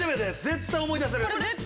絶対思い出せる！